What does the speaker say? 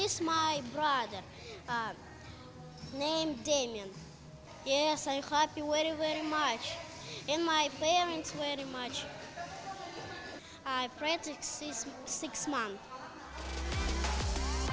saya berlatih selama enam bulan